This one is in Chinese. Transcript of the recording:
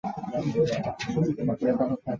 古特内克是德国巴伐利亚州的一个市镇。